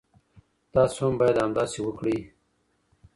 تاسو هم باید همداسې وکړئ.